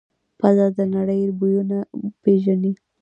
پزه د نړۍ بویونه پېژني.